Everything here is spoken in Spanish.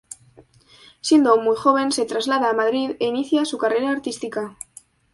Siendo aún muy joven se traslada a Madrid e inicia su carrera artística.